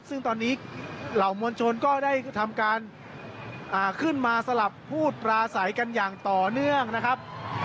ซึ่งตอนนี้เหล่ามวลชนก็ได้ทำการขึ้นมาสลับพูดปราศัยกันอย่างต่อเนื่องนะครับ